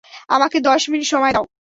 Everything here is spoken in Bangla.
আমাকে দশ মিনিট সময় দাও।